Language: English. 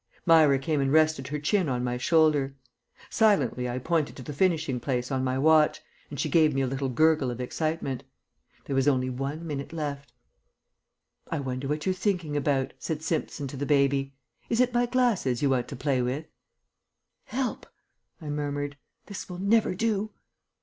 Myra came and rested her chin on my shoulder. Silently I pointed to the finishing place on my watch, and she gave a little gurgle of excitement. There was only one minute left. "I wonder what you're thinking about," said Simpson to the baby. "Is it my glasses you want to play with?" "Help!" I murmured. "This will never do."